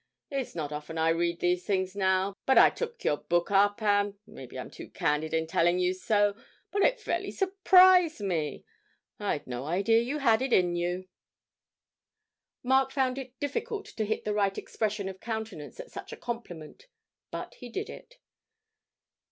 It's not often I read these things now, but I took your book up, and maybe I'm too candid in telling you so but it fairly surprised me. I'd no idea you had it in you.' Mark found it difficult to hit the right expression of countenance at such a compliment, but he did it.